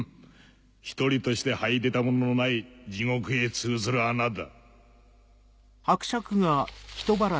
１人として這い出た者のない地獄へ通ずる穴だ。